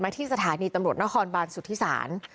มาที่สถานีตำรวจหน้าฮอนบาร์นสุธิศาล